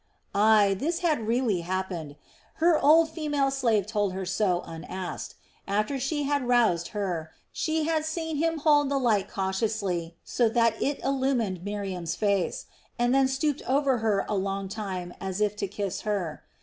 Ay, this had really happened; her old female slave told her so unasked. After she had roused Hur, she had seen him hold the light cautiously so that it illumined Miriam's face and then stoop over her a long time as if to kiss her.